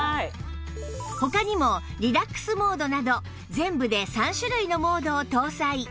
他にもリラックスモードなど全部で３種類のモードを搭載